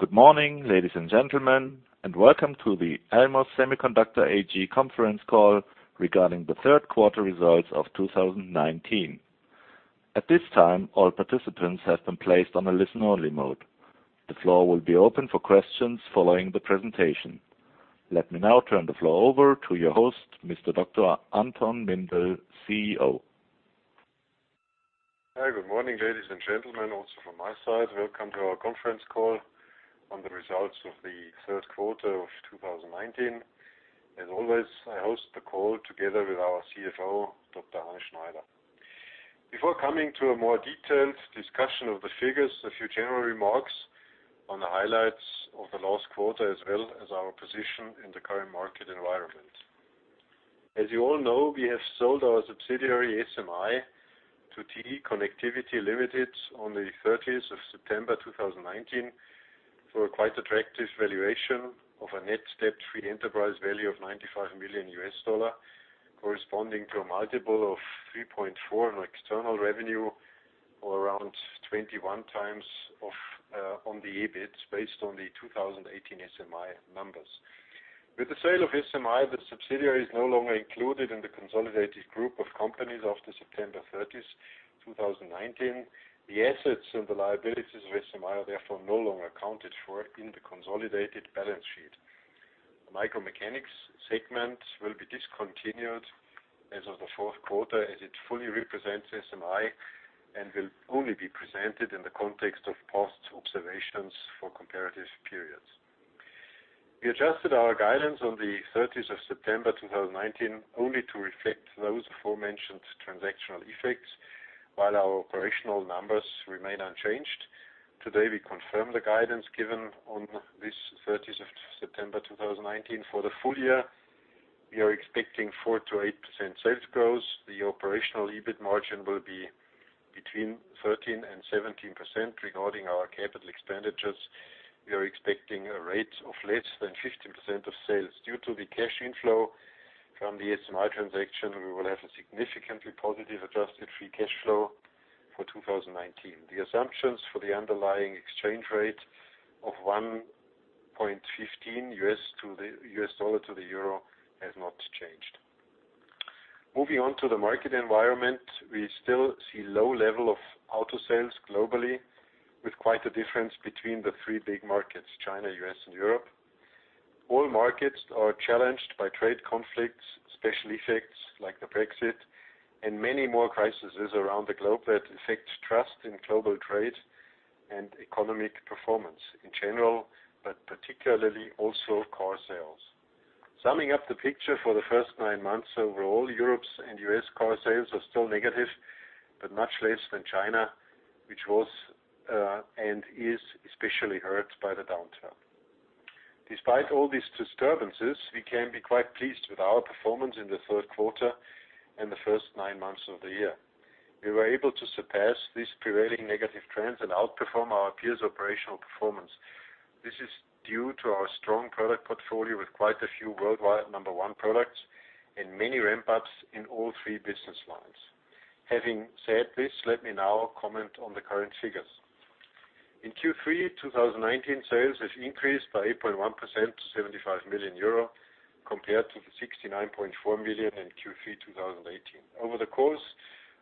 Good morning, ladies and gentlemen, and welcome to the Elmos Semiconductor AG conference call regarding the third quarter results of 2019. At this time, all participants have been placed on a listen-only mode. The floor will be open for questions following the presentation. Let me now turn the floor over to your host, Mr. Dr. Anton Mindl, CEO. Hi. Good morning, ladies and gentlemen, also from my side. Welcome to our conference call on the results of the third quarter of 2019. As always, I host the call together with our CFO, Dr. Arne Schneider. Before coming to a more detailed discussion of the figures, a few general remarks on the highlights of the last quarter, as well as our position in the current market environment. As you all know, we have sold our subsidiary, SMI, to TE Connectivity Ltd. on the 30th of September 2019 for a quite attractive valuation of a net debt-free enterprise value of EUR 95 million, corresponding to a multiple of 3.4 on external revenue or around 21 times on the EBIT based on the 2018 SMI numbers. With the sale of SMI, the subsidiary is no longer included in the consolidated group of companies after September 30th, 2019. The assets and the liabilities of SMI are therefore no longer accounted for in the consolidated balance sheet. The micromechanics segment will be discontinued as of the fourth quarter, as it fully represents SMI and will only be presented in the context of past observations for comparative periods. We adjusted our guidance on the 30th of September 2019 only to reflect those aforementioned transactional effects, while our operational numbers remain unchanged. Today, we confirm the guidance given on this 30th of September 2019. For the full year, we are expecting 4%-8% sales growth. The operational EBIT margin will be between 13% and 17%. Regarding our capital expenditures, we are expecting a rate of less than 15% of sales. Due to the cash inflow from the SMI transaction, we will have a significantly positive adjusted free cash flow for 2019. The assumptions for the underlying exchange rate of $1.15 to the euro has not changed. Moving on to the market environment, we still see low level of auto sales globally with quite a difference between the three big markets, China, U.S., and Europe. All markets are challenged by trade conflicts, special effects like the Brexit, and many more crises around the globe that affect trust in global trade and economic performance in general, but particularly also car sales. Summing up the picture for the first nine months overall, Europe's and U.S. car sales are still negative, but much less than China, which was and is especially hurt by the downturn. Despite all these disturbances, we can be quite pleased with our performance in the third quarter and the first nine months of the year. We were able to surpass these prevailing negative trends and outperform our peers' operational performance. This is due to our strong product portfolio with quite a few worldwide number one products and many ramp-ups in all three business lines. Having said this, let me now comment on the current figures. In Q3 2019, sales have increased by 8.1%, 75 million euro, compared to the 69.4 million in Q3 2018. Over the course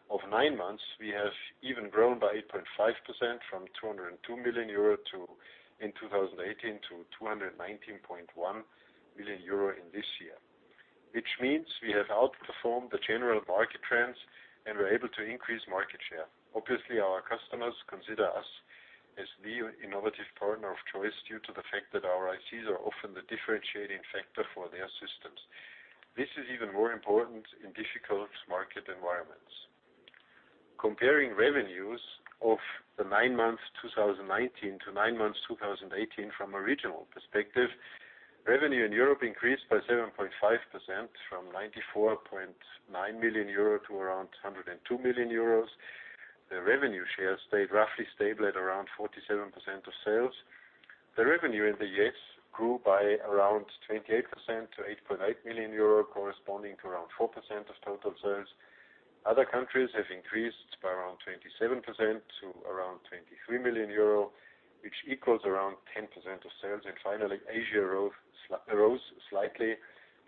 of nine months, we have even grown by 8.5%, from 202 million euro in 2018 to 219.1 million euro in this year, which means we have outperformed the general market trends and were able to increase market share. Obviously, our customers consider us as the innovative partner of choice due to the fact that our ICs are often the differentiating factor for their systems. This is even more important in difficult market environments. Comparing revenues of the nine months 2019 to nine months 2018 from a regional perspective, revenue in Europe increased by 7.5%, from 94.9 million euro to around 102 million euros. The revenue share stayed roughly stable at around 47% of sales. The revenue in the U.S. grew by around 28% to 8.8 million euro, corresponding to around 4% of total sales. Other countries have increased by around 27% to around 23 million euro, which equals around 10% of sales. Finally, Asia rose slightly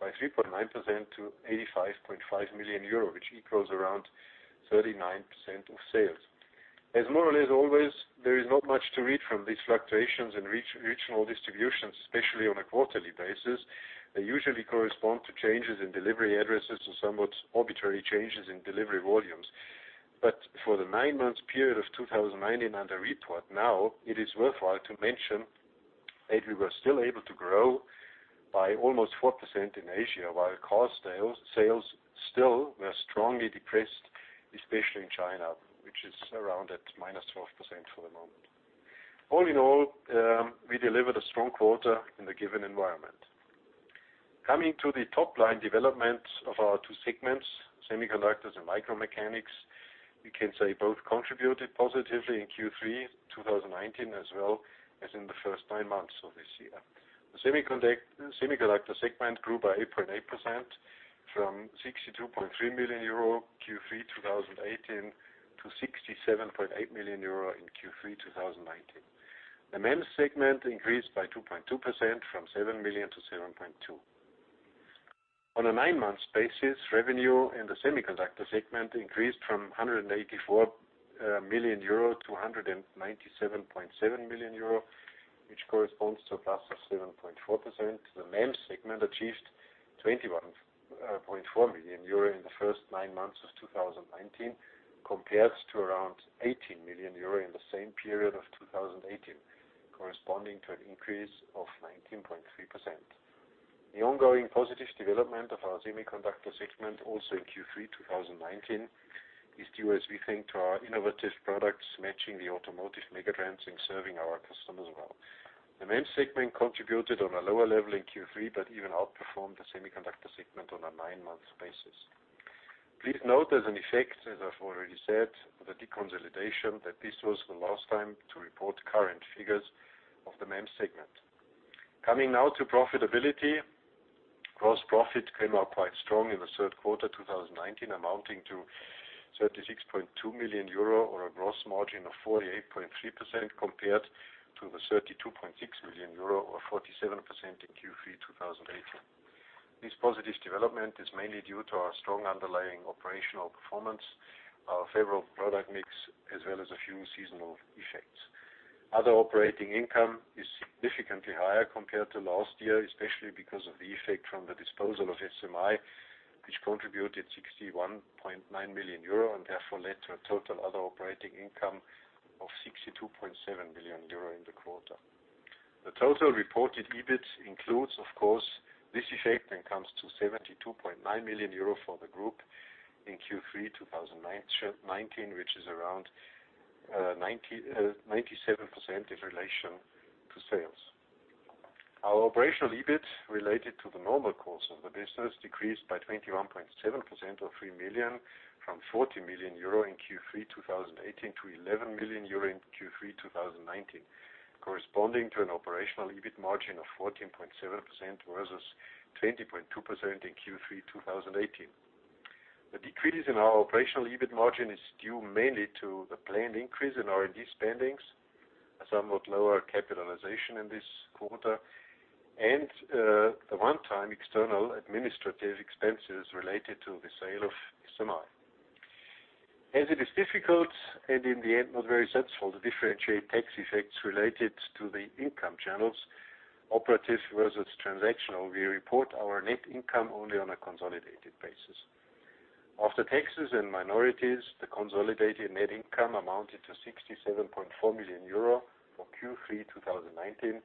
by 3.9% to 85.5 million euro, which equals around 39% of sales. As more or less always, there is not much to read from these fluctuations in regional distributions, especially on a quarterly basis. They usually correspond to changes in delivery addresses or somewhat arbitrary changes in delivery volumes. For the nine months period of 2019 under report now, it is worthwhile to mention that we were still able to grow by almost 4% in Asia, while car sales still were strongly depressed, especially in China, which is around at -12% for the moment. All in all, we delivered a strong quarter in the given environment. Coming to the top-line development of our two segments, semiconductors and micromechanics, we can say both contributed positively in Q3 2019 as well as in the first nine months of this year. The semiconductor segment grew by 8.8%, from 62.3 million euro Q3 2018 to 67.8 million euro in Q3 2019. The MEMS segment increased by 2.2%, from 7 million to 7.2. On a nine-month basis, revenue in the semiconductor segment increased from 184 million euro to 197.7 million euro, which corresponds to a plus of 7.4%. The MEMS segment achieved 21.4 million euro in the first nine months of 2019, compared to around 18 million euro in the same period of 2018, corresponding to an increase of 19.3%. The ongoing positive development of our semiconductor segment also in Q3 2019 is due, as we think, to our innovative products matching the automotive megatrends and serving our customers well. The MEMS segment contributed on a lower level in Q3, but even outperformed the semiconductor segment on a nine-month basis. Please note as an effect, as I've already said, the deconsolidation, that this was the last time to report current figures of the MEMS segment. Coming now to profitability. Gross profit came out quite strong in the third quarter 2019, amounting to 36.2 million euro or a gross margin of 48.3%, compared to the 32.6 million euro or 47% in Q3 2018. This positive development is mainly due to our strong underlying operational performance, our favorable product mix, as well as a few seasonal effects. Other operating income is significantly higher compared to last year, especially because of the effect from the disposal of SMI, which contributed 61.9 million euro and therefore led to a total other operating income of 62.7 million euro in the quarter. The total reported EBIT includes, of course, this effect and comes to 72.9 million euro for the group in Q3 2019, which is around 97% in relation to sales. Our operational EBIT related to the normal course of the business decreased by 21.7% or 3 million, from 40 million euro in Q3 2018 to 11 million euro in Q3 2019, corresponding to an operational EBIT margin of 14.7% versus 20.2% in Q3 2018. The decreases in our operational EBIT margin is due mainly to the planned increase in R&D spending, a somewhat lower capitalization in this quarter, and the one-time external administrative expenses related to the sale of SMI. As it is difficult and in the end, not very useful to differentiate tax effects related to the income channels, operative versus transactional, we report our net income only on a consolidated basis. After taxes and minorities, the consolidated net income amounted to €67.4 million for Q3 2019.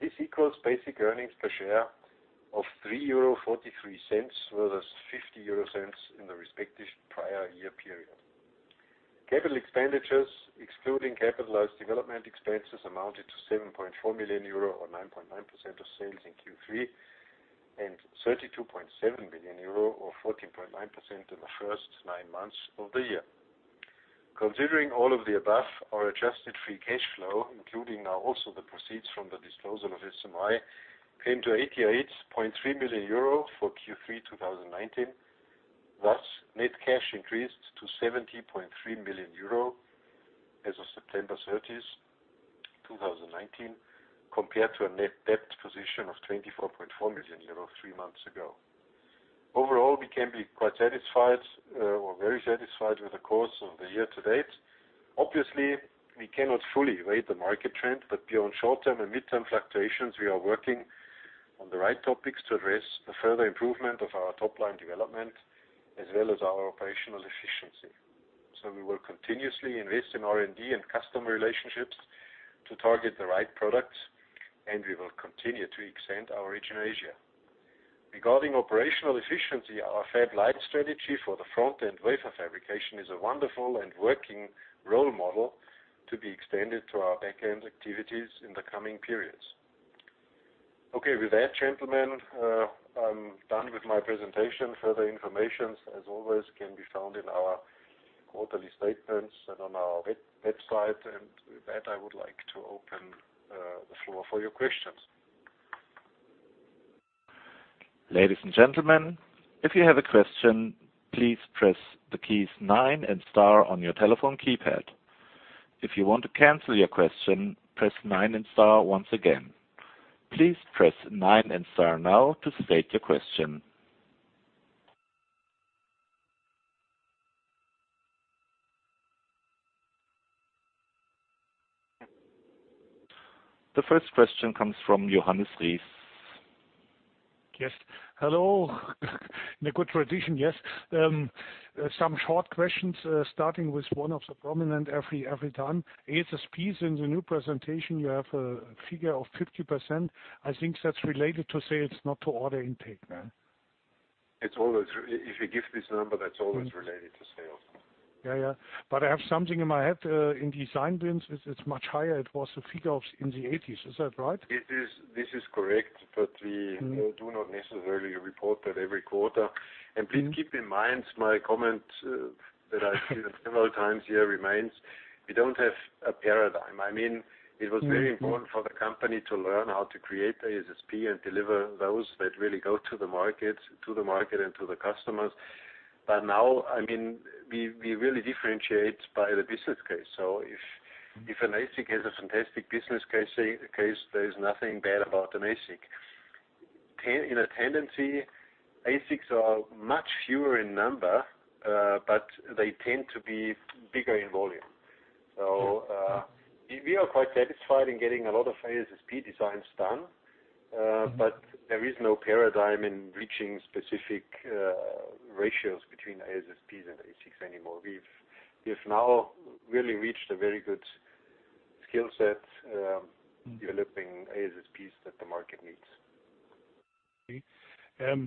This equals basic earnings per share of 3.43 euro, versus 50 euro in the respective prior year period. Capital expenditures, excluding capitalized development expenses, amounted to 7.4 million euro or 9.9% of sales in Q3, and 32.7 million euro or 14.9% in the first nine months of the year. Considering all of the above, our adjusted free cash flow, including now also the proceeds from the disposal of SMI, came to 88.3 million euro for Q3 2019. Net cash increased to 70.3 million euro as of September 30th, 2019, compared to a net debt position of 24.4 million euros three months ago. Overall, we can be quite satisfied, or very satisfied with the course of the year to date. Obviously, we cannot fully rate the market trend, but beyond short-term and mid-term fluctuations, we are working on the right topics to address the further improvement of our top-line development as well as our operational efficiency. We will continuously invest in R&D and customer relationships to target the right products, and we will continue to extend our reach in Asia. Regarding operational efficiency, our Fab Lite strategy for the front-end wafer fabrication is a wonderful and working role model to be extended to our back-end activities in the coming periods. Okay. With that, gentlemen, I'm done with my presentation. Further information, as always, can be found in our quarterly statements and on our website. With that, I would like to open the floor for your questions. Ladies and gentlemen, if you have a question, please press the keys nine and star on your telephone keypad. If you want to cancel your question, press nine and star once again. Please press nine and star now to state your question. The first question comes from Johannes Ries. Yes. Hello. In a good tradition, yes. Some short questions, starting with one of the prominent every time. ASSPs, in the new presentation, you have a figure of 50%. I think that's related to sales, not to order intake. If you give this number, that's always related to sales. Yeah. I have something in my head. In design wins, it's much higher. It was a figure in the 80s. Is that right? This is correct, we do not necessarily report that every quarter. Please keep in mind, my comment that I give several times here remains. We don't have a paradigm. It was very important for the company to learn how to create the ASSP and deliver those that really go to the market and to the customers. Now, we really differentiate by the business case. If an ASIC has a fantastic business case, there is nothing bad about an ASIC. In a tendency, ASICs are much fewer in number, but they tend to be bigger in volume. We are quite satisfied in getting a lot of ASSP designs done. There is no paradigm in reaching specific ratios between ASSPs and ASICs anymore. We've now really reached a very good skill set developing ASSPs that the market needs. Okay.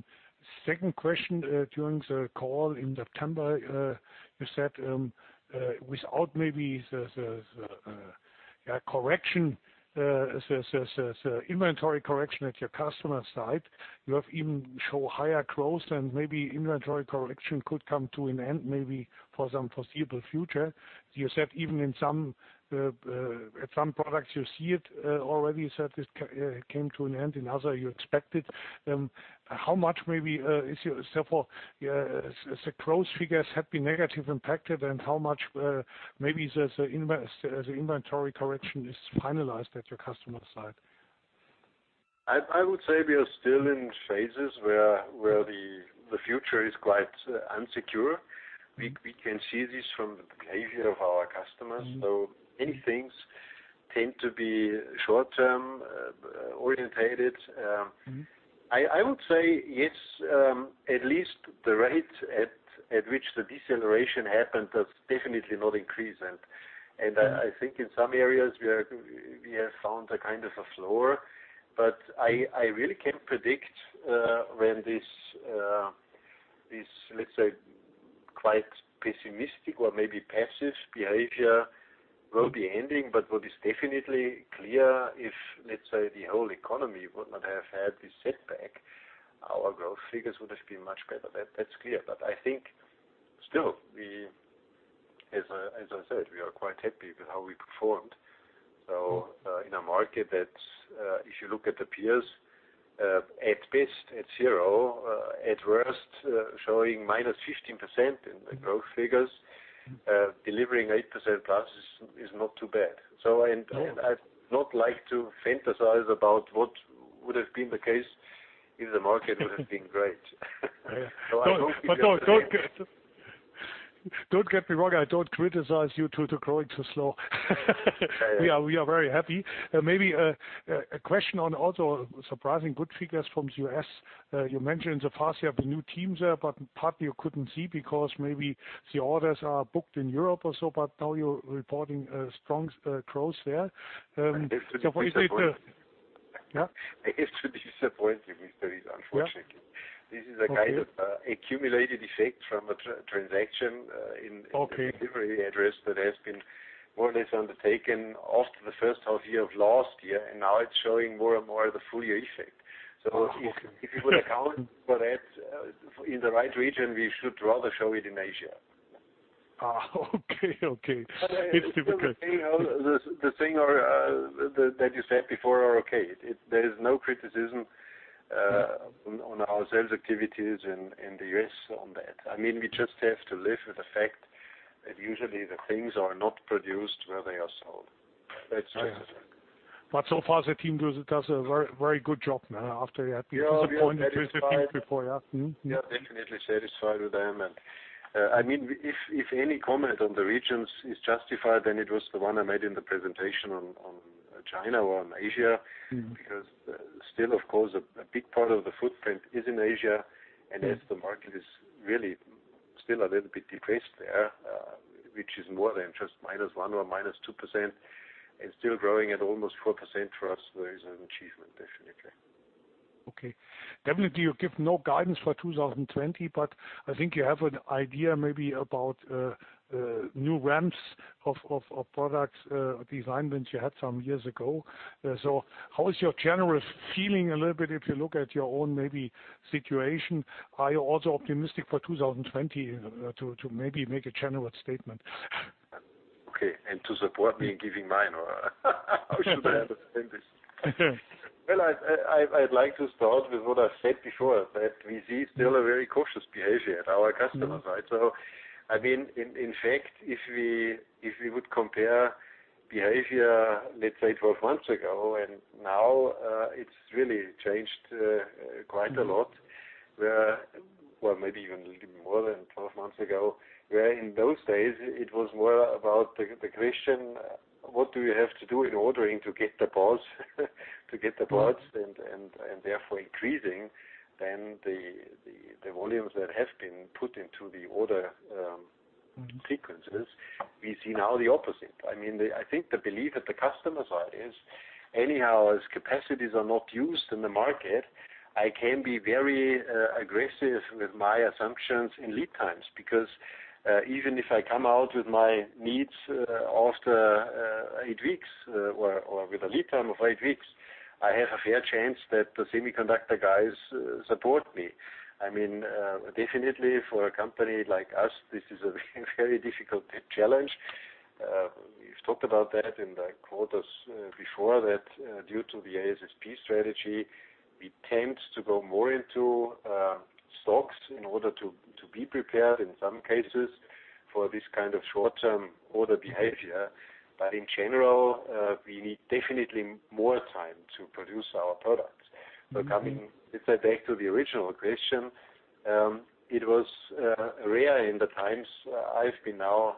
Second question, during the call in September, you said, without maybe the inventory correction at your customer side, you have even show higher growth and maybe inventory correction could come to an end maybe for some foreseeable future. You said even at some products you see it already, you said it came to an end. In other you expect it. How much maybe is your the growth figures have been negatively impacted and how much maybe the inventory correction is finalized at your customer side? I would say we are still in phases where the future is quite unsecure. We can see this from the behavior of our customers. Many things tend to be short-term orientated. I would say yes, at least the rate at which the deceleration happened has definitely not increased. I think in some areas we have found a kind of a floor. I really can't predict when this, let's say, quite pessimistic or maybe passive behavior will be ending. What is definitely clear, if, let's say, the whole economy would not have had this setback, our growth figures would have been much better. That's clear. I think still as I said, we are quite happy with how we performed. In a market that, if you look at the peers, at best at zero, at worst, showing minus 15% in the growth figures, delivering 8% plus is not too bad. I'd not like to fantasize about what would have been the case if the market would have been great. Don't get me wrong, I don't criticize you to growing so slow. Yeah. We are very happy. Maybe a question on also surprising good figures from U.S. You mentioned in the past you have new teams there, but part you couldn't see because maybe the orders are booked in Europe or so, but now you're reporting a strong growth there. What is it- I hate to disappoint you. Yeah. I hate to disappoint you, Meister, unfortunately. Yeah. Okay. This is a kind of accumulated effect from a transaction. Okay in the delivery address that has been more or less undertaken after the first half year of last year, now it's showing more and more the full year effect. Oh, okay. If you would account for that in the right region, we should rather show it in Asia. Okay. It's difficult. The thing that you said before are okay. There is no criticism on our sales activities in the U.S. on that. We just have to live with the fact that usually the things are not produced where they are sold. That's just a fact. So far the team does a very good job now after you have been disappointed with the figures before, yeah? We are definitely satisfied with them. If any comment on the regions is justified, then it was the one I made in the presentation on China or on Asia. Still, of course, a big part of the footprint is in Asia, and as the market is really still a little bit depressed there, which is more than just minus one or minus 2%, and still growing at almost 4% for us, that is an achievement, definitely. Okay. Definitely, you give no guidance for 2020, but I think you have an idea maybe about new ramps of products design, which you had some years ago. How is your general feeling a little bit if you look at your own maybe situation? Are you also optimistic for 2020 to maybe make a general statement? To support me in giving mine or how should I understand this? I'd like to start with what I've said before, that we see still a very cautious behavior at our customers, right? In fact, if we would compare behavior, let's say 12 months ago and now, it's really changed quite a lot. Maybe even a little bit more than 12 months ago, where in those days it was more about the question, what do you have to do in ordering to get the parts and therefore increasing than the volumes that have been put into the order sequences. We see now the opposite. I think the belief at the customer side is anyhow, as capacities are not used in the market, I can be very aggressive with my assumptions in lead times because even if I come out with my needs after eight weeks or with a lead time of eight weeks, I have a fair chance that the semiconductor guys support me. Definitely for a company like us, this is a very difficult challenge. We've talked about that in the quarters before that due to the ASSP strategy, we tend to go more into stocks in order to be prepared in some cases for this kind of short-term order behavior. In general, we need definitely more time to produce our products. Coming, let's say, back to the original question, it was rare in the times I've been now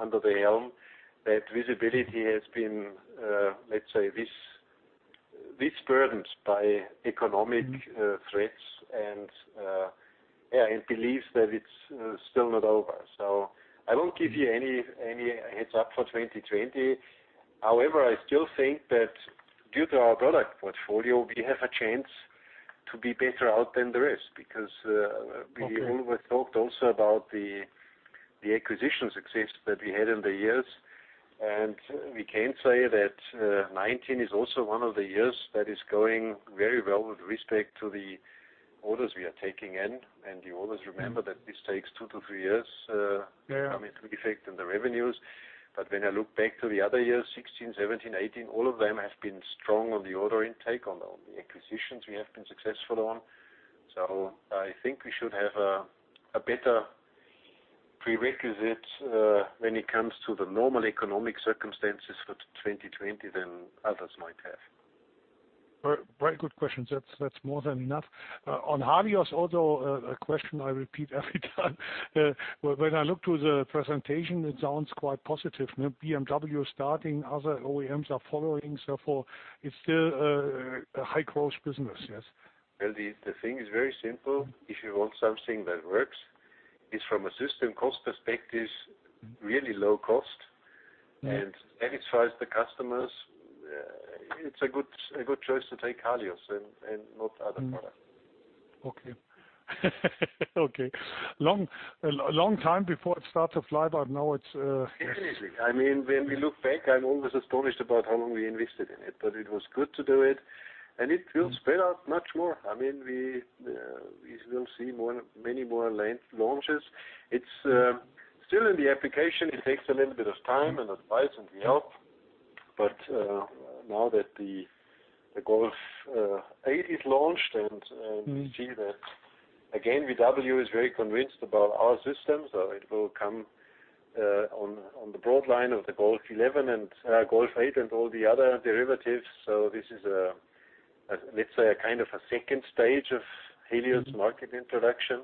under the helm that visibility has been, let's say, this burdened by economic threats and beliefs that it's still not over. I won't give you any heads up for 2020. However, I still think that due to our product portfolio, we have a chance to be better out than the rest. Okay we always talked also about the acquisition success that we had in the years, and we can say that 2019 is also one of the years that is going very well with respect to the orders we are taking in. You always remember that this takes 2-3 years. Yeah coming to effect in the revenues. When I look back to the other years, 2016, 2017, 2018, all of them have been strong on the order intake on the acquisitions we have been successful on. I think we should have a better prerequisite when it comes to the normal economic circumstances for 2020 than others might have. Very good questions. That's more than enough. On HALIOS® also, a question I repeat every time. When I look to the presentation, it sounds quite positive. Now BMW is starting, other OEMs are following, so far it's still a high-growth business, yes. Well, the thing is very simple. If you want something that works, is from a system cost perspective, really low cost- Yeah Satisfies the customers, it's a good choice to take HALIOS and not other products. Okay. Okay. A long time before it starts to fly. Seriously, when we look back, I'm always astonished about how long we invested in it, but it was good to do it, and it will pay off much more. We will see many more launches. It's still in the application. It takes a little bit of time and advice, and we help. Now that the Golf 8 is launched and we see that again, VW is very convinced about our system, it will come on the broad line of the Golf 8 and all the other derivatives. This is a, let's say, a kind of a stage 2 of HALIOS market introduction,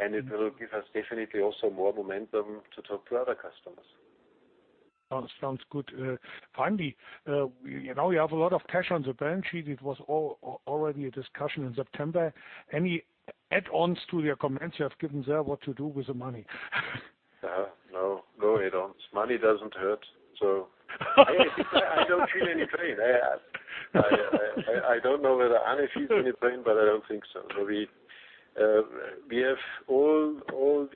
it will give us definitely also more momentum to talk to other customers. Sounds good. Finally, you have a lot of cash on the balance sheet. It was already a discussion in September. Any add-ons to your comments you have given there what to do with the money? No add-ons. Money doesn't hurt. I don't feel any pain. I don't know whether Arne feels any pain, but I don't think so. Yeah All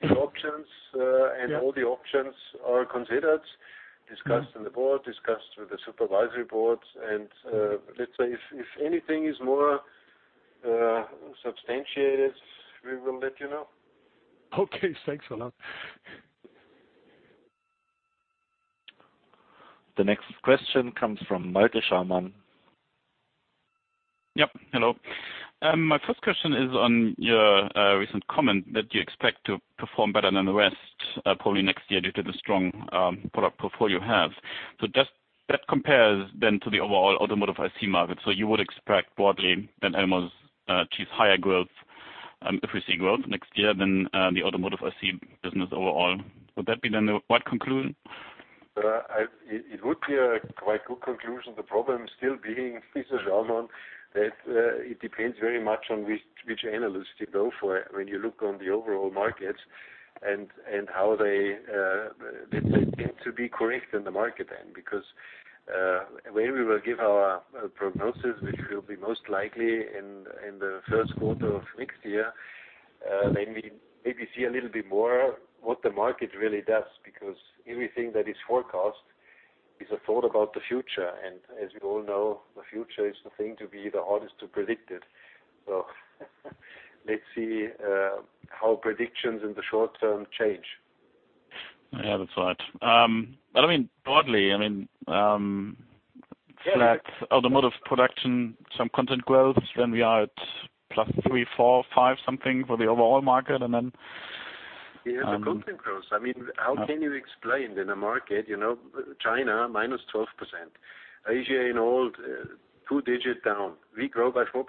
the options are considered, discussed in the board, discussed with the supervisory boards, and let's say if anything is more substantiated, we will let you know. Okay, thanks a lot. The next question comes from Malte Schaumann. Yep. Hello. My first question is on your recent comment that you expect to perform better than the rest, probably next year, due to the strong product portfolio you have. Just that compares then to the overall automotive IC market. You would expect broadly that Elmos achieves higher growth, if we see growth next year, than the automotive IC business overall. Would that be then the right conclusion? It would be a quite good conclusion. The problem still being, this is Schaumann, that it depends very much on which analyst you go for when you look on the overall market and how they tend to be correct in the market then, because when we will give our prognosis, which will be most likely in the first quarter of next year, then we maybe see a little bit more what the market really does, because everything that is forecast is a thought about the future, and as we all know, the future is the thing to be the hardest to predict it. Let's see how predictions in the short term change. Yeah, that's right. Yeah flat automotive production, some content growth, then we are at plus three, four, five something for the overall market. Yeah, it's a content growth. How can you explain in a market, China, -12%? Asia in whole, 2-digit down. We grow by 4%.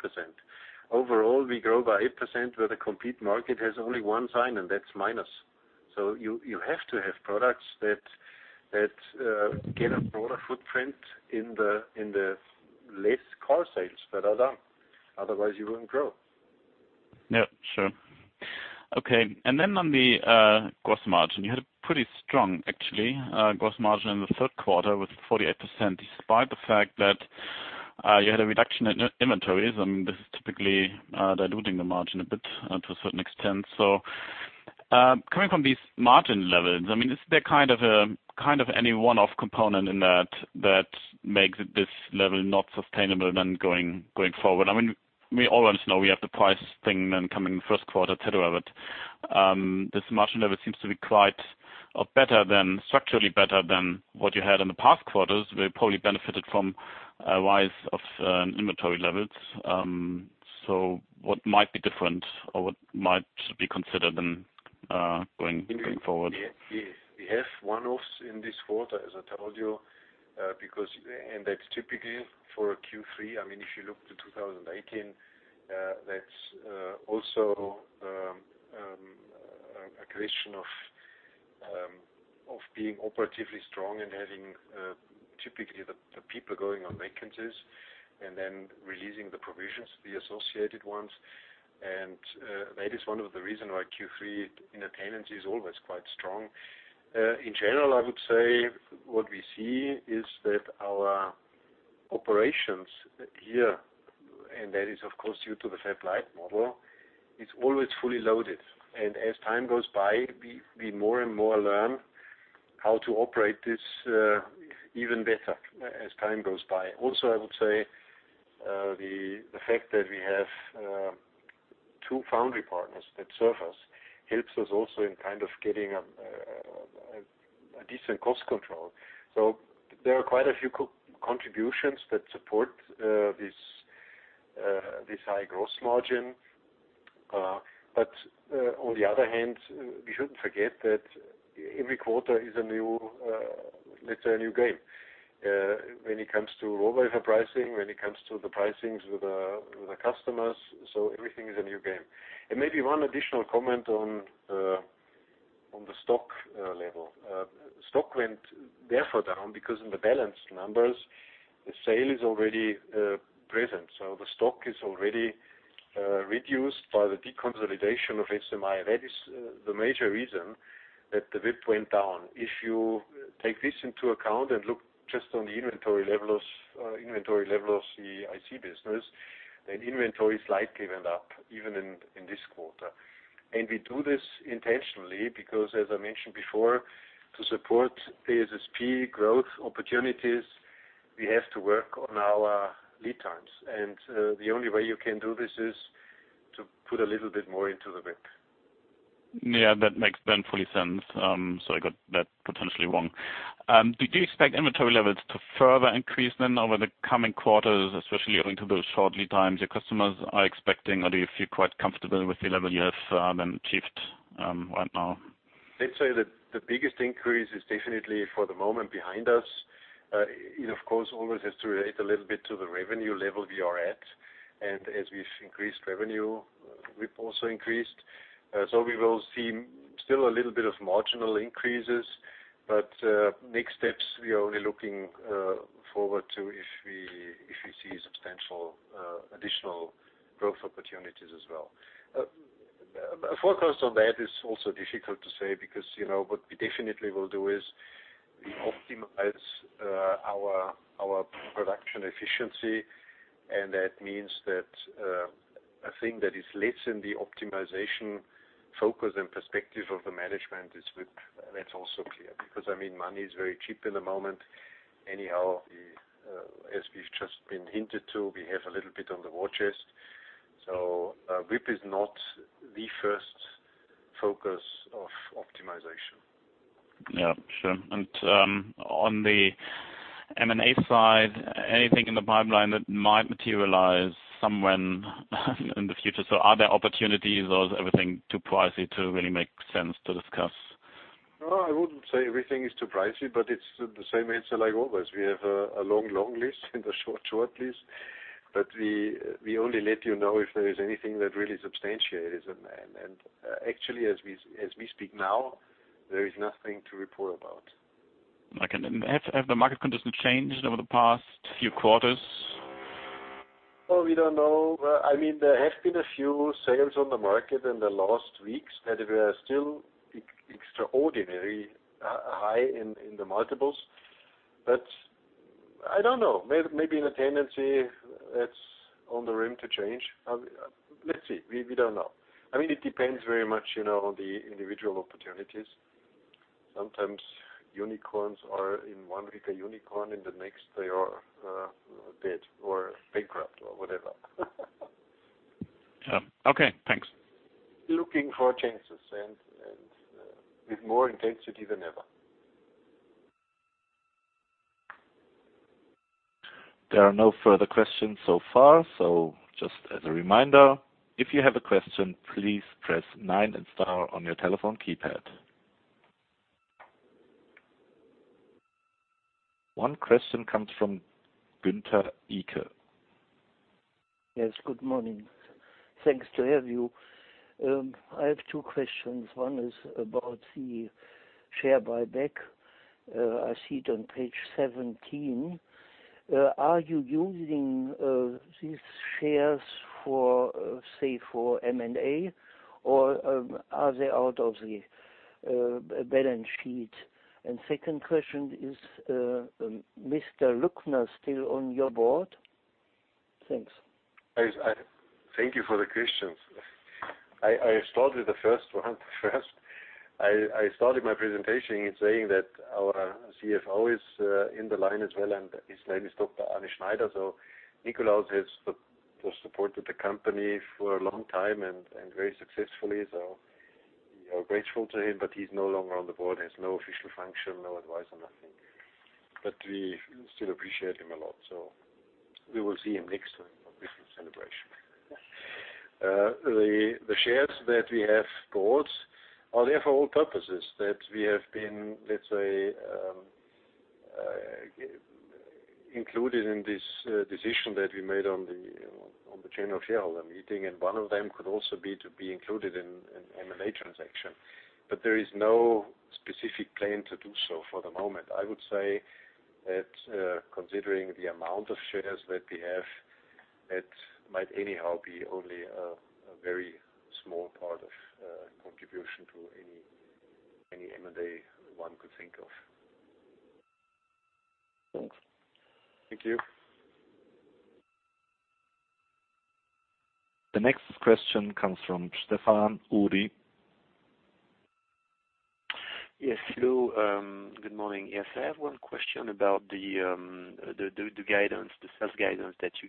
Overall, we grow by 8% where the complete market has only one sign, and that's minus. You have to have products that get a broader footprint in the less car sales that are done, otherwise you wouldn't grow. Yeah, sure. Okay. On the gross margin, you had a pretty strong, actually, gross margin in the third quarter with 48%, despite the fact that you had a reduction in inventories, and this is typically diluting the margin a bit to a certain extent. Coming from these margin levels, is there kind of any one-off component in that that makes this level not sustainable then going forward? We always know we have the price thing then coming first quarter, et cetera. This margin level seems to be quite better than, structurally better than what you had in the past quarters. We probably benefited from a rise of inventory levels. What might be different or what might be considered then going forward? We have one-offs in this quarter, as I told you and that's typically for a Q3. If you look to 2018, that's also a question of being operatively strong and having typically the people going on vacancies and then releasing the provisions, the associated ones. That is one of the reason why Q3 in attendance is always quite strong. In general, I would say what we see is that our operations here, and that is of course due to the Fab Lite model, it's always fully loaded. As time goes by, we more and more learn how to operate this even better as time goes by. Also, I would say the fact that we have two foundry partners that serve us helps us also in getting a decent cost control. There are quite a few contributions that support this high gross margin. On the other hand, we shouldn't forget that every quarter is a new game when it comes to raw wafer pricing, when it comes to the pricings with the customers. Everything is a new game. Maybe one additional comment on the stock level. Stock went therefore down because in the balance numbers, the sale is already present. The stock is already reduced by the deconsolidation of SMI. That is the major reason that the WIP went down. If you take this into account and look just on the inventory level of the IC business, then inventory slightly went up even in this quarter. We do this intentionally because, as I mentioned before, to support ASP growth opportunities, we have to work on our lead times. The only way you can do this is to put a little bit more into the WIP. Yeah, that makes then fully sense. I got that potentially wrong. Do you expect inventory levels to further increase then over the coming quarters, especially owing to those short lead times your customers are expecting? Or do you feel quite comfortable with the level you have then achieved right now? Let's say that the biggest increase is definitely for the moment behind us. It of course always has to relate a little bit to the revenue level we are at. As we've increased revenue, we've also increased. We will see still a little bit of marginal increases, but next steps we are only looking forward to if we see substantial additional growth opportunities as well. A forecast on that is also difficult to say because what we definitely will do is we optimize our production efficiency and that means that a thing that is less in the optimization focus and perspective of the management is WIP. That's also clear because money is very cheap in the moment. Anyhow, as we've just been hinted to, we have a little bit on the watches. WIP is not the first focus of optimization. Yeah, sure. On the M&A side, anything in the pipeline that might materialize somewhere in the future? Are there opportunities or is everything too pricey to really make sense to discuss? No, I wouldn't say everything is too pricey, but it's the same answer like always. We have a long list and a short list. We only let you know if there is anything that really substantiates. Actually, as we speak now, there is nothing to report about. Have the market conditions changed over the past few quarters? We don't know. There have been a few sales on the market in the last weeks that were still extraordinarily high in the multiples. I don't know, maybe in a tendency that's on the rim to change. Let's see. We don't know. It depends very much on the individual opportunities. Sometimes unicorns are in one week a unicorn, in the next they are dead or bankrupt or whatever. Okay, thanks. Looking for chances and with more intensity than ever. There are no further questions so far. Just as a reminder, if you have a question, please press nine and star on your telephone keypad. One question comes from Gunther Eaker. Yes, good morning. Thanks to have you. I have two questions. One is about the share buyback. I see it on page 17. Are you using these shares for, say, for M&A, or are they out of the balance sheet? Second question, is Mr. Luckner still on your board? Thanks. Thank you for the questions. I start with the first one first. I started my presentation in saying that our CFO is in the line as well. His name is Dr. Arne Schneider. Nikolaus has supported the company for a long time and very successfully. We are grateful to him. He's no longer on the board, has no official function, no advisor, nothing. We still appreciate him a lot. We will see him next time on different celebration. The shares that we have bought are there for all purposes that we have been, let's say, included in this decision that we made on the general shareholder meeting. One of them could also be to be included in M&A transaction. There is no specific plan to do so for the moment. I would say that considering the amount of shares that we have, it might anyhow be only a very small part of contribution to any M&A one could think of. Thanks. Thank you. The next question comes from Stefan Uri. Yes, hello. Good morning. Yes, I have one question about the sales guidance that you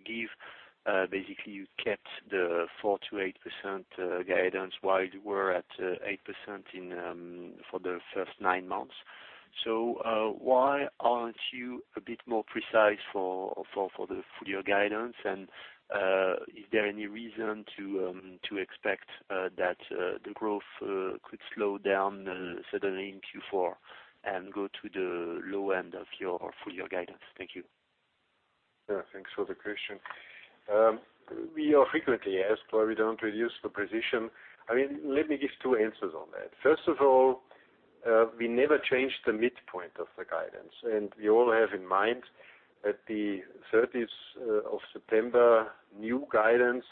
give. Basically, you kept the 4%-8% guidance while you were at 8% for the first nine months. Why aren't you a bit more precise for your guidance? Is there any reason to expect that the growth could slow down suddenly in Q4 and go to the low end of your full-year guidance? Thank you. Yeah, thanks for the question. We are frequently asked why we don't reduce the precision. Let me give two answers on that. First of all, we never changed the midpoint of the guidance. We all have in mind that the 30th of September new guidance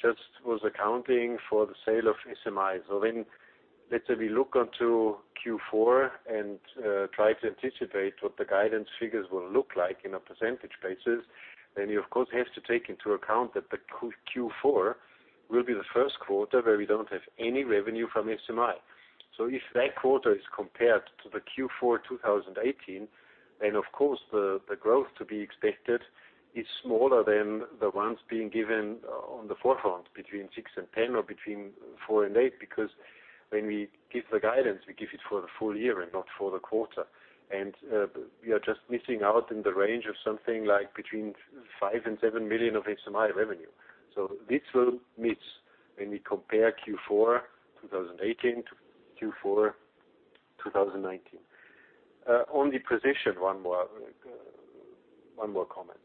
just was accounting for the sale of SMI. When, let's say, we look onto Q4 and try to anticipate what the guidance figures will look like in a percentage basis, you of course, have to take into account that the Q4 will be the first quarter where we don't have any revenue from SMI. If that quarter is compared to the Q4 2018, of course the growth to be expected is smaller than the ones being given on the forefront between six and 10 or between four and eight. When we give the guidance, we give it for the full year and not for the quarter. We are just missing out in the range of something like between 5 million and 7 million of SMI revenue. This will meet when we compare Q4 2018 to Q4 2019. On the precision, one more comment.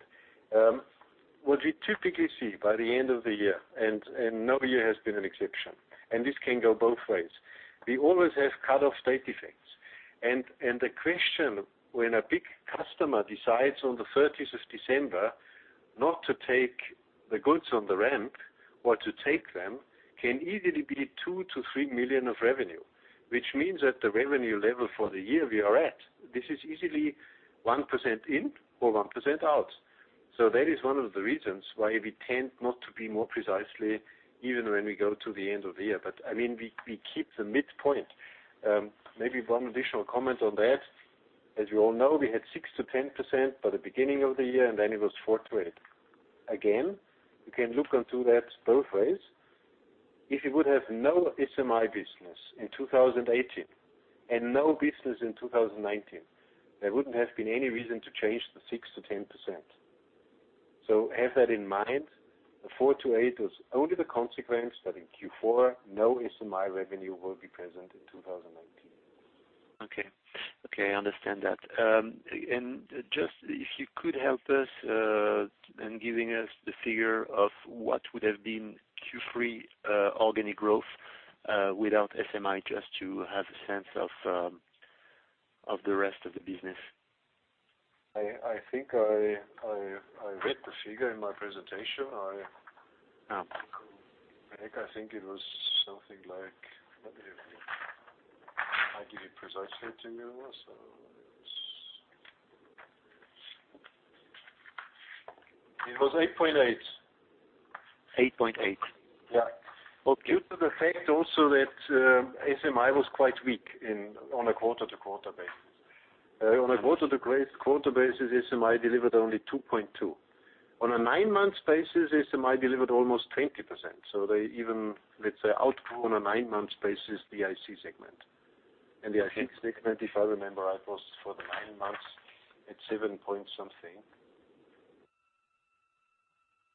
What we typically see by the end of the year, and no year has been an exception, and this can go both ways. We always have cut-off date effects. The question, when a big customer decides on the 30th of December not to take the goods on the ramp or to take them, can easily be 2 million to 3 million of revenue. Which means that the revenue level for the year we are at, this is easily 1% in or 1% out. That is one of the reasons why we tend not to be more precisely, even when we go to the end of the year. We keep the midpoint. Maybe one additional comment on that. As you all know, we had 6%-10% by the beginning of the year, and then it was 4%-8%. Again, you can look into that both ways. If you would have no SMI business in 2018 and no business in 2019, there wouldn't have been any reason to change the 6%-10%. Have that in mind. The 4%-8% was only the consequence that in Q4, no SMI revenue will be present in 2019. Okay. I understand that. Just if you could help us in giving us the figure of what would have been Q3 organic growth, without SMI, just to have a sense of the rest of the business. I think I read the figure in my presentation. Oh. I think it was. Let me give you precisely to you. It was 8.8. 8.8? Well, due to the fact also that SMI was quite weak on a quarter-over-quarter basis. On a quarter-over-quarter basis, SMI delivered only 2.2%. On a nine-month basis, SMI delivered almost 20%. They even, let's say, outgrew on a nine-month basis the IC segment. The IC segment, if I remember right, was for the nine months at seven-point-something.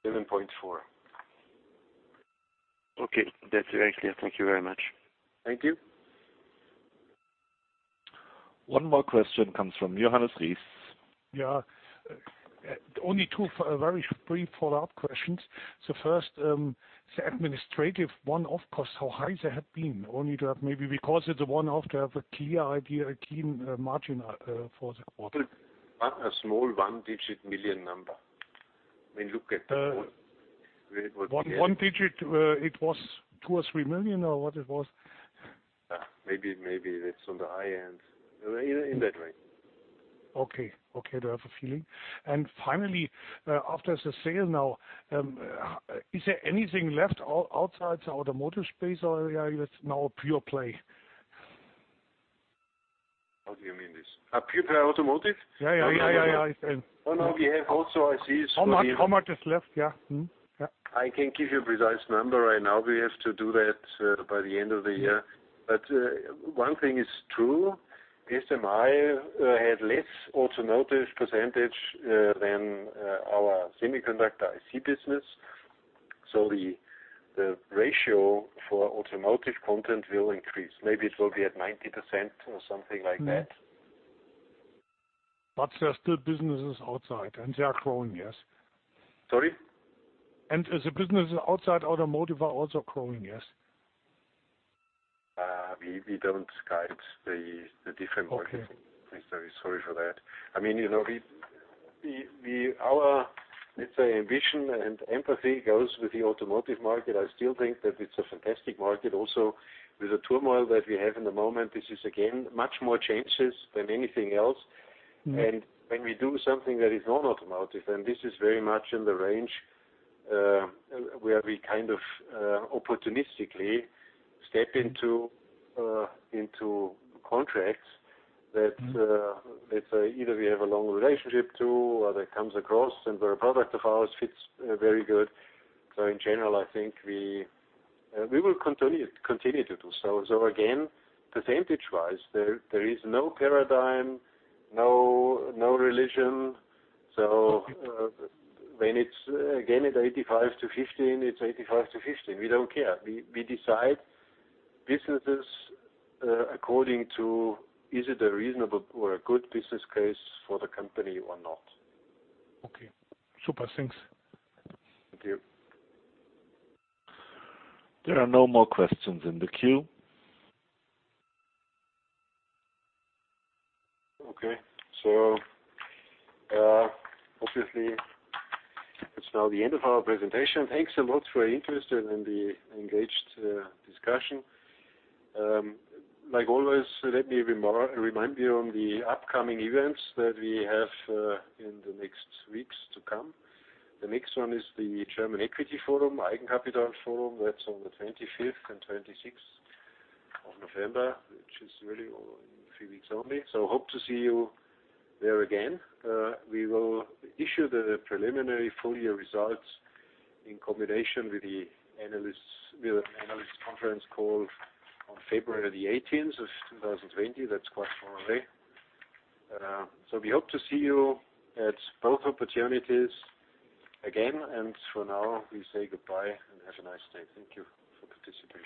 7.4%. Okay. That's very clear. Thank you very much. Thank you. One more question comes from Johannes Ries. Yeah. Only two very brief follow-up questions. First, the administrative one-off costs, how high they have been, only to have maybe because it's a one-off to have a clear idea, a clean margin for the quarter? A small one-digit million number. I mean, look at the. One digit, it was EUR two or three million, or what it was? Maybe that's on the high end. In that range. Okay. Do I have a feeling? Finally, after the sale now, is there anything left outside the automotive space or are you now a pure play? How do you mean this? A pure play automotive? Yeah. Oh, no, we have also ICs. How much is left? Yeah. I can't give you a precise number right now. We have to do that by the end of the year. One thing is true, SMI had less automotive percentage than our semiconductor IC business. The ratio for automotive content will increase. Maybe it will be at 90% or something like that. There are still businesses outside, and they are growing, yes? Sorry? The businesses outside automotive are also growing, yes? We don't guide the different markets. Okay. Sorry for that. Our, let's say, ambition and empathy goes with the automotive market. I still think that it's a fantastic market. With the turmoil that we have at the moment, this is, again, much more changes than anything else. When we do something that is non-automotive, and this is very much in the range, where we kind of opportunistically step into contracts that, let's say, either we have a long relationship to or that comes across and where a product of ours fits very good. In general, I think we will continue to do so. Again, percentage wise, there is no paradigm, no religion. When it's, again, at 85 to 15, it's 85 to 15. We don't care. We decide businesses according to, is it a reasonable or a good business case for the company or not. Okay. Super, thanks. Thank you. There are no more questions in the queue. Okay. Obviously it's now the end of our presentation. Thanks a lot for your interest and the engaged discussion. Like always, let me remind you of the upcoming events that we have in the next weeks to come. The next one is the German Equity Forum, Deutsches Eigenkapitalforum. That's on the 25th and 26th of November, which is really a few weeks only. Hope to see you there again. We will issue the preliminary full year results in combination with the analyst conference call on February the 18th of 2020. That's quite far away. We hope to see you at both opportunities again, and for now, we say goodbye and have a nice day. Thank you for participation.